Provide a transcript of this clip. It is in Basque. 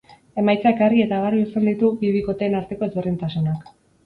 Emaitzak argi eta garbi uzten ditu bi bikoteen arteko ezberdintasunak.